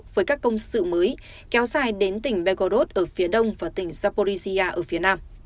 với các công sự mới kéo dài đến tỉnh begorod ở phía đông và tỉnh zaporizhia ở phía nam